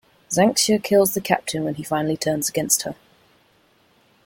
Xanxia kills the Captain when he finally turns against her.